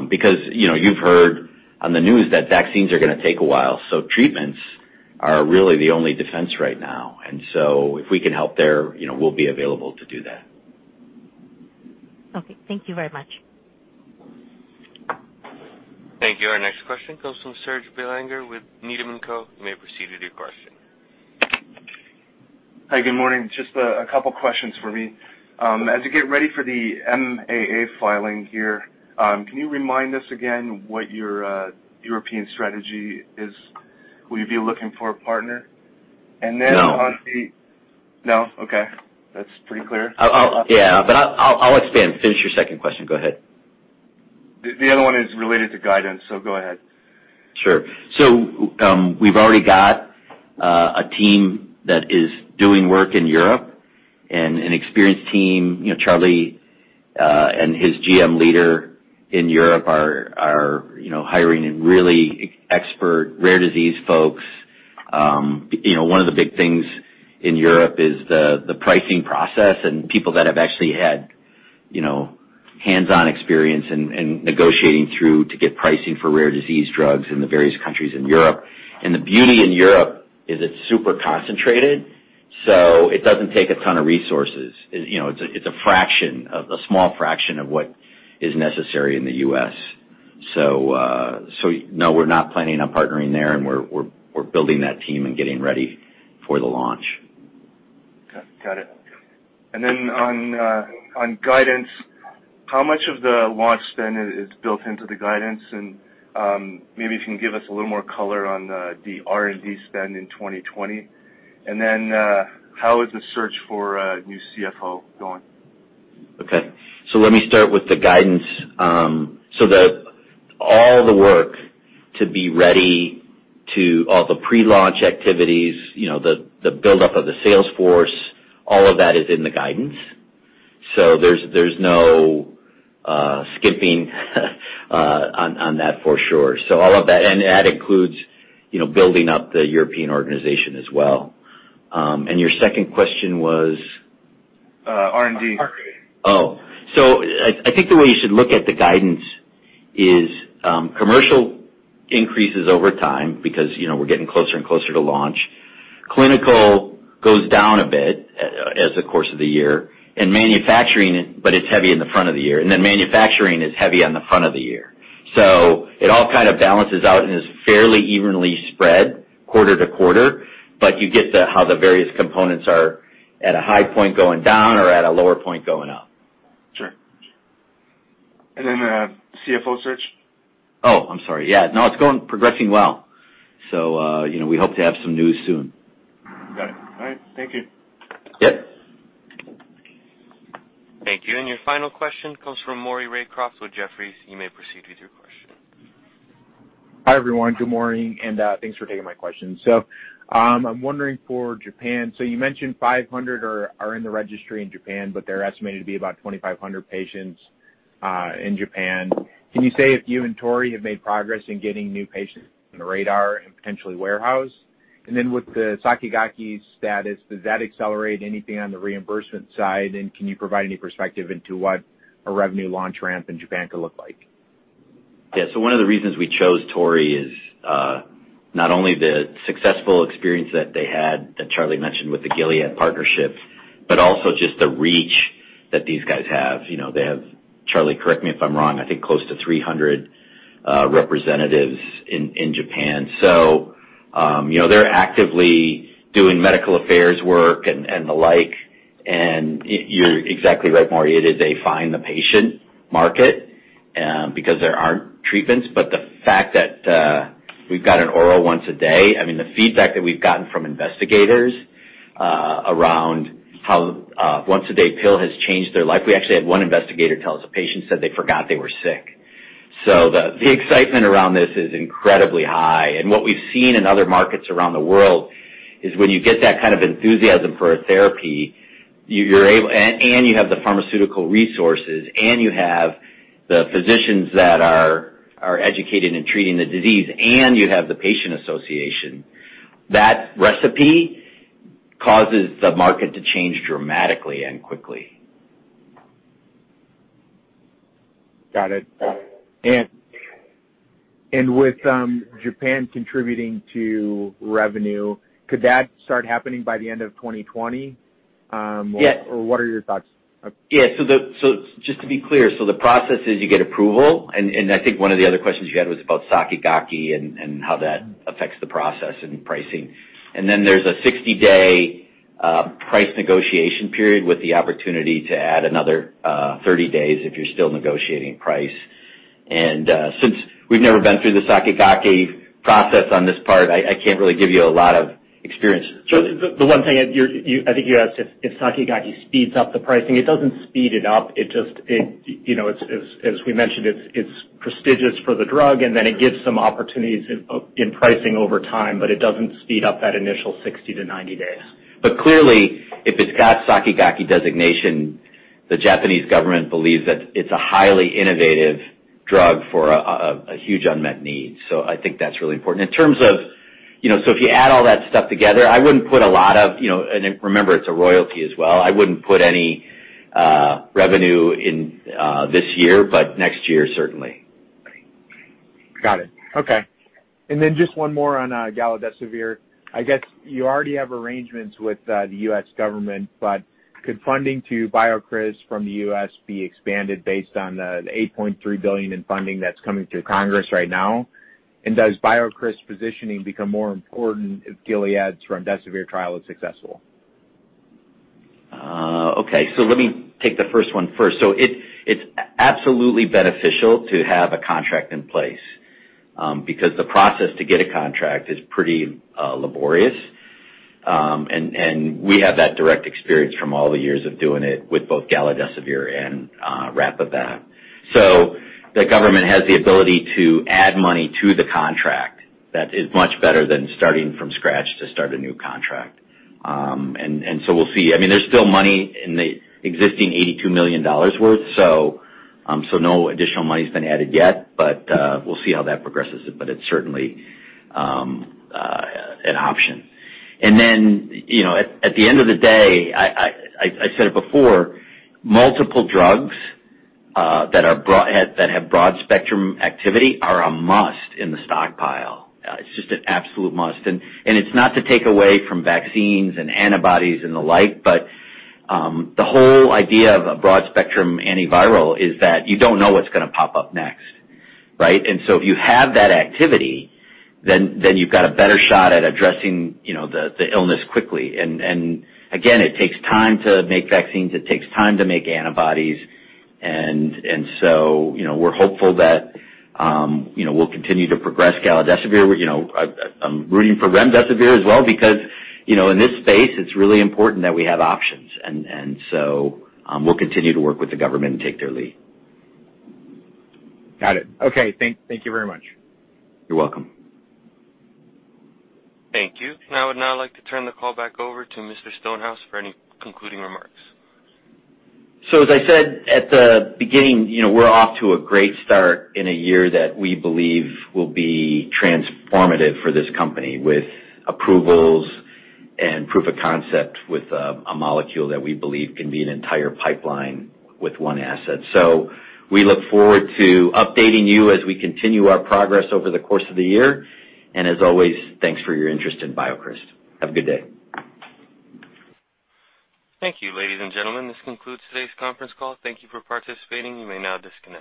Because you've heard on the news that vaccines are going to take a while, so treatments are really the only defense right now. If we can help there, we'll be available to do that. Okay. Thank you very much. Thank you. Our next question comes from Serge Belanger with Needham & Company. You may proceed with your question. Hi, good morning. Just a couple questions for me. As you get ready for the MAA filing here, can you remind us again what your European strategy is? Will you be looking for a partner? No. No? Okay. That's pretty clear. Yeah. I'll expand. Finish your second question. Go ahead. The other one is related to guidance. Go ahead. Sure. We've already got a team that is doing work in Europe, and an experienced team. Charlie and his GM leader in Europe are hiring and really expert rare disease folks. One of the big things in Europe is the pricing process and people that have actually had hands-on experience in negotiating through to get pricing for rare disease drugs in the various countries in Europe. The beauty in Europe is it's super concentrated, so it doesn't take a ton of resources. It's a small fraction of what is necessary in the U.S. No, we're not planning on partnering there, and we're building that team and getting ready for the launch. Okay. Got it. On guidance, how much of the launch spend is built into the guidance? Maybe if you can give us a little more color on the R&D spend in 2020. How is the search for a new CFO going? Okay. Let me start with the guidance. The all the work to be ready to all the pre-launch activities, the build-up of the sales force, all of that is in the guidance. There's no skipping on that for sure. All of that. That includes building up the European organization as well. Your second question was? R&D. I think the way you should look at the guidance is commercial increases over time because we're getting closer and closer to launch. Clinical goes down a bit as the course of the year, but it's heavy in the front of the year, and then manufacturing is heavy on the front of the year. It all kind of balances out and is fairly evenly spread quarter-to-quarter, but you get how the various components are at a high point going down or at a lower point going up. Sure. Then CFO search? Oh, I'm sorry. Yeah. No, it's progressing well. We hope to have some news soon. Got it. All right. Thank you. Yep. Thank you. Your final question comes from Maury Raycroft with Jefferies. You may proceed with your question. Hi, everyone. Good morning, and thanks for taking my question. I'm wondering for Japan, so you mentioned 500 are in the registry in Japan, but there are estimated to be about 2,500 patients in Japan. Can you say if you and Torii have made progress in getting new patients on the radar and potentially warehoused? With the Sakigake status, does that accelerate anything on the reimbursement side? Can you provide any perspective into what a revenue launch ramp in Japan could look like? One of the reasons we chose Torii is not only the successful experience that they had, that Charlie mentioned with the Gilead partnership, but also just the reach that these guys have. They have, Charlie, correct me if I'm wrong, I think close to 300 representatives in Japan. They're actively doing medical affairs work and the like. You're exactly right, Maury. It is a find the patient market because there aren't treatments. The fact that we've got an oral once a day, I mean, the feedback that we've gotten from investigators around how once a day pill has changed their life. We actually had one investigator tell us, a patient said they forgot they were sick. The excitement around this is incredibly high. What we've seen in other markets around the world is when you get that kind of enthusiasm for a therapy, and you have the pharmaceutical resources, and you have the physicians that are educated in treating the disease, and you have the patient association, that recipe causes the market to change dramatically and quickly. Got it. With Japan contributing to revenue, could that start happening by the end of 2020? Yeah. What are your thoughts? Just to be clear, the process is you get approval, and I think one of the other questions you had was about Sakigake and how that affects the process and pricing. Then there's a 60-day price negotiation period with the opportunity to add another 30 days if you're still negotiating price. Since we've never been through the Sakigake process on this part, I can't really give you a lot of experience. The one thing, I think you asked if Sakigake speeds up the pricing. It doesn't speed it up. As we mentioned, it's prestigious for the drug, and then it gives some opportunities in pricing over time, but it doesn't speed up that initial 60 to 90 days. Clearly, if it's got Sakigake designation, the Japanese government believes that it's a highly innovative drug for a huge unmet need. I think that's really important. If you add all that stuff together, and remember, it's a royalty as well, I wouldn't put any revenue in this year, but next year, certainly. Got it. Okay. Just one more on galidesivir. I guess you already have arrangements with the U.S. government, could funding to BioCryst from the U.S. be expanded based on the $8.3 billion in funding that's coming through Congress right now? Does BioCryst's positioning become more important if Gilead's remdesivir trial is successful? Okay. Let me take the first one first. It's absolutely beneficial to have a contract in place, because the process to get a contract is pretty laborious, and we have that direct experience from all the years of doing it with both galidesivir and RAPIVAB. The government has the ability to add money to the contract. That is much better than starting from scratch to start a new contract. We'll see. There's still money in the existing $82 million worth. No additional money's been added yet, but we'll see how that progresses, but it's certainly an option. At the end of the day, I said it before, multiple drugs that have broad-spectrum activity are a must in the stockpile. It's just an absolute must. It's not to take away from vaccines and antibodies and the like, but the whole idea of a broad-spectrum antiviral is that you don't know what's going to pop up next. Right? If you have that activity, then you've got a better shot at addressing the illness quickly. Again, it takes time to make vaccines. It takes time to make antibodies. We're hopeful that we'll continue to progress galidesivir. I'm rooting for remdesivir as well because in this space, it's really important that we have options. We'll continue to work with the government and take their lead. Got it. Okay. Thank you very much. You're welcome. Thank you. I would now like to turn the call back over to Mr. Stonehouse for any concluding remarks. As I said at the beginning, we're off to a great start in a year that we believe will be transformative for this company with approvals and proof of concept with a molecule that we believe can be an entire pipeline with one asset. We look forward to updating you as we continue our progress over the course of the year. As always, thanks for your interest in BioCryst. Have a good day. Thank you, ladies and gentlemen. This concludes today's conference call. Thank you for participating. You may now disconnect.